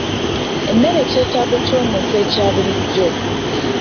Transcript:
Emmere kyetaago ky'omuntu ekya bulijjo.